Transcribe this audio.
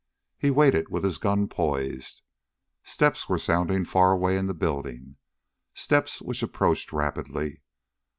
He waited with his gun poised. Steps were sounding far away in the building, steps which approached rapidly.